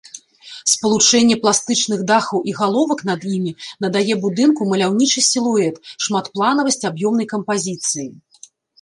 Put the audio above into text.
Спалучэнне пластычных дахаў і галовак над імі надае будынку маляўнічы сілуэт, шматпланавасць аб'ёмнай кампазіцыі.